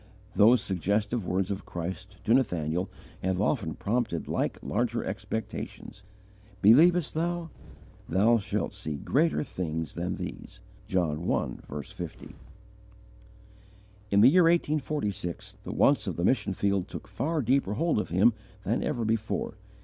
Those suggestive words of Christ to Nathanael have often prompted like larger expectations: "Believest thou? thou shalt see greater things than these." (John i. 50.) In the year 1846, the wants of the mission field took far deeper hold of him than ever before.